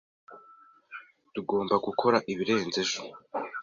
Tugomba gukora ibirenze ejo.